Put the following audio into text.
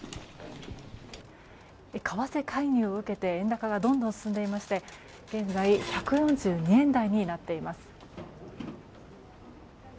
為替介入を受けて円高がどんどん進んでいまして現在１４２円台になっています。